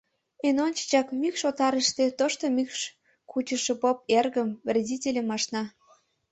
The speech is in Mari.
Эн ончычак мӱкш отарыште тошто мӱкш кучышо поп эргым, вредительым, ашна.